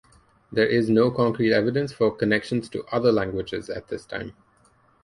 There is no concrete evidence for connections to other languages at this time.